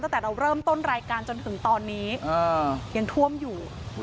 ตั้งแต่เราเริ่มต้นรายการจนถึงตอนนี้ยังท่วมอยู่